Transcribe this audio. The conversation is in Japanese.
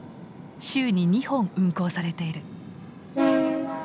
週に２本運行されている。